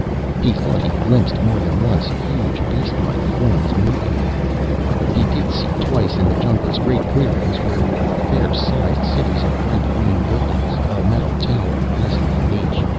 He thought he glimpsed, more than once, huge beastlike forms moving in them. He did see twice in the jungles great clearings where were fair sized cities of bright green buildings, a metal tower rising from each.